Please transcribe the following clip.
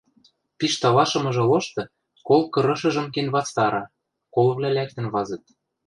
Пиш талашымыжы лошты кол кырышыжым кенвацтара, колвлӓ лӓктӹн вазыт.